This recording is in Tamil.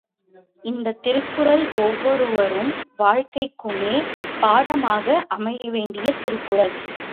இந்தத் திருக்குறள் ஒவ்வொருவர் வாழ்க்கைக்குமே பாடமாக அமையவேண்டிய திருக்குறள்.